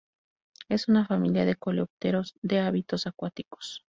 Es una familia de coleópteros de hábitos acuáticos.